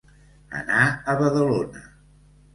Anar a Badalona.